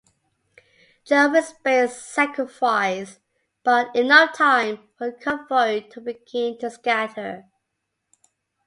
"Jervis Bay"s sacrifice bought enough time for the convoy to begin to scatter.